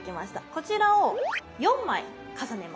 こちらを４枚重ねます。